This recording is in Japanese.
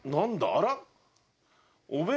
あら？